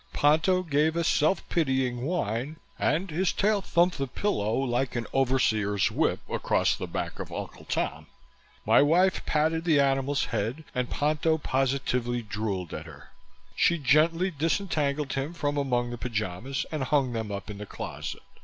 Ponto gave a self pitying whine and his tail thumped the pillow like an overseer's whip across the back of Uncle Tom. My wife patted the animal's head and Ponto positively drooled at her. She gently disentangled him from among the pyjamas and hung them up in the closet.